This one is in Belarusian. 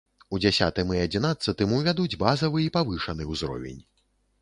У дзясятым і адзінаццатым увядуць базавы і павышаны ўзровень.